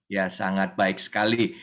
ya sangat baik sekali